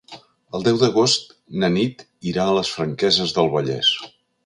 El deu d'agost na Nit irà a les Franqueses del Vallès.